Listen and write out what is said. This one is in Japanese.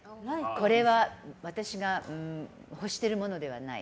これは私が欲してるものではない。